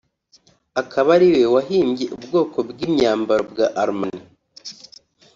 akaba ariwe wahimbye ubwoko bw’imyambaro bwa Armani